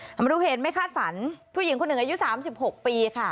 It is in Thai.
ทำไมทุกคนเห็นไม่คาดฝันผู้หญิงคนหนึ่งอายุ๓๖ปีค่ะ